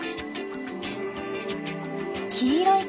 黄色い顔！